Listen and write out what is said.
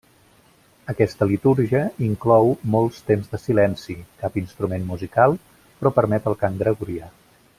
Aquesta litúrgia inclou molts temps de silenci, cap instrument musical, però permet el cant gregorià.